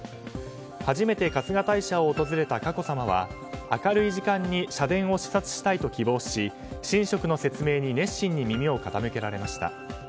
初めて春日大社を訪れた佳子さまは明るい時間に社殿を視察したいと希望し神職の説明に熱心に耳を傾けられました。